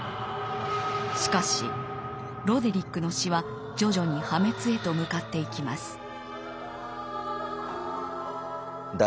しかしロデリックの詩は徐々に破滅へと向かっていきます。